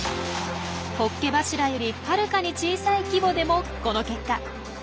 ホッケ柱よりはるかに小さい規模でもこの結果。